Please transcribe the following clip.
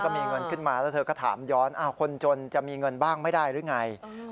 มีเงินขึ้นมาแล้วเธอก็ถามย้อนคนจนจะมีเงินบ้างไม่ได้หรือไง